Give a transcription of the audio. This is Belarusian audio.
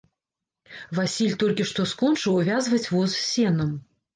Васіль толькі што скончыў увязваць воз з сенам.